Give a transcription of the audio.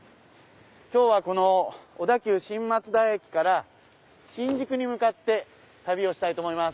今日はこの小田急新松田駅から新宿に向かって旅をしたいと思います。